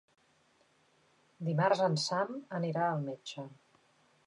Dimarts en Sam anirà al metge.